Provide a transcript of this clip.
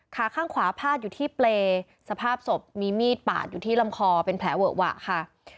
ขาข้างขวาพาดอยู่ที่เปรย์สภาพศพมีมีดปาดอยู่ที่ลำคอเป็นแผลเวอะหวะค่ะ